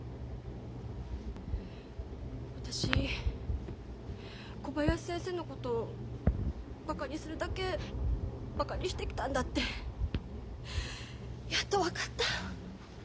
私小林先生のことバカにするだけバカにしてきたんだってやっと分かった。